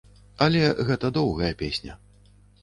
Але гэта доўгая песня.